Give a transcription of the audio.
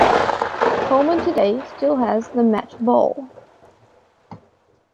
Coleman today still has the match ball.